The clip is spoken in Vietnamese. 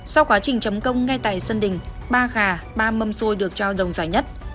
sau quá trình chấm công ngay tại sân đỉnh ba gà ba mâm xôi được trao đồng giải nhất